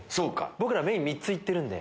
僕らメイン３ついってるんで。